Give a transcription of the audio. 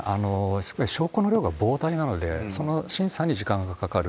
すごい証拠の量が膨大なので、その審査に時間がかかる。